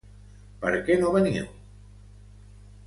Per què no veniu?